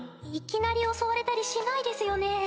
・いきなり襲われたりしないですよね？